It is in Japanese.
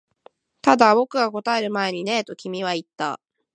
ただ、僕が答える前にねえと君は言った